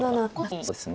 そうですね。